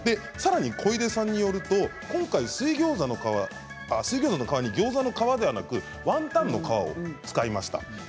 さらに小出さんによると今回、水ギョーザの皮ギョーザの皮ではなくワンタンの皮を使いました。